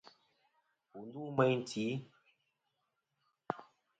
Wù ndu meyn tì.